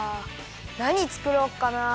なにつくろうかな。